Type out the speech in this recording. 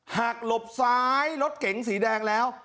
หลบซ้ายรถเก๋งสีแดงแล้ว